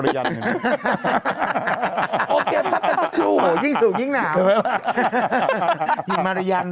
ขนน่ะแค่งใครบ้าง